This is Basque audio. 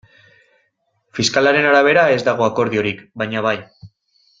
Fiskalaren arabera ez dago akordiorik, baina bai.